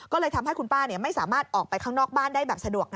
ก็เลยทำให้คุณป้าไม่สามารถออกไปข้างนอกบ้านได้แบบสะดวก